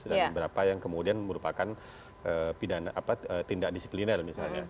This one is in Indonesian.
dan beberapa yang kemudian merupakan tindak disipliner misalnya